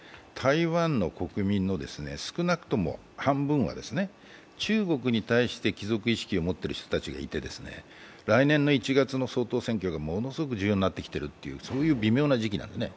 台湾の国民の少なくとも半分は中国に対して帰属意識を持っている人たちがいて、来年の１月の総統選挙がものすごく重要になってきているという微妙な時期なんですね。